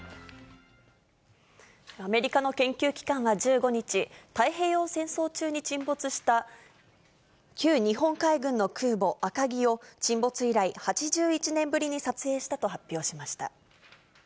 アメリカの研究機関は１５日、太平洋戦争中に沈没した旧日本海軍の空母赤城を、沈没以来、８１年ぶりに撮影したと発表しました。